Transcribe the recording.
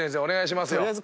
お願いしますよ。